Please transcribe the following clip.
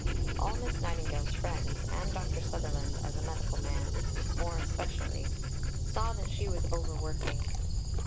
All Miss Nightingale's friends, and Dr. Sutherland as a medical man more especially, saw that she was over working.